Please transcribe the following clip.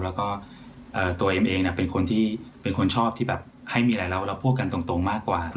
แล้วก็ตัวเองเป็นคนที่เป็นคนชอบที่แบบให้มีอะไรแล้วเราพูดกันตรงมากกว่า